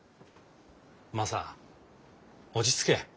マサ落ち着け。